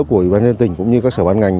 của bán nhân tỉnh cũng như các sở bán ngành